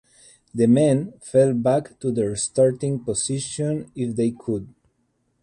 The men fell back to their starting position if they could.